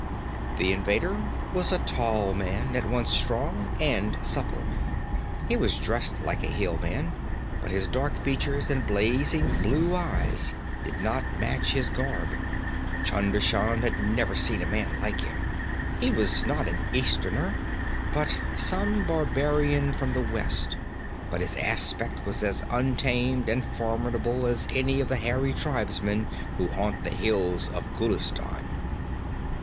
The invader was a tall man, at once strong and supple. He was dressed like a hillman, but his dark features and blazing blue eyes did not match his garb. Chunder Shan had never seen a man like him; he was not an Easterner, but some barbarian from the West. But his aspect was as untamed and formidable as any of the hairy tribesmen who haunt the hills of Ghulistan.